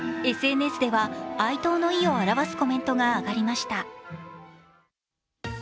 ファンはＳＮＳでは哀悼の意を表すコメントが上がりました。